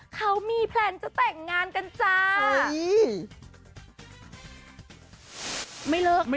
เขามีแพลนจะแต่งงานกันจ้า